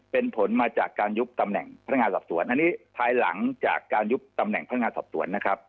เป็นผลมาจากการยุบตำแหน่งพนักงานสอบสวนอันนี้ภายหลังจากการยุบตำแหน่งพนักงานสอบสวนนะครับ